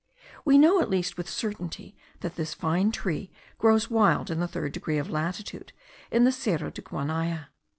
We know, at least, with certainty, that this fine tree grows wild in the third degree of latitude, in the Cerro de Guanaya.